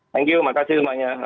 thank you makasih semuanya